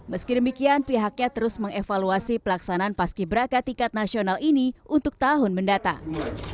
meski demikian pihaknya terus mengevaluasi pelaksanaan paski beraka tingkat nasional ini untuk tahun mendatang